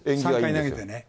３回投げてね。